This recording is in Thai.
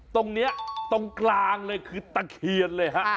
ตรงนี้ตรงกลางเลยคือตะเคียนเลยฮะ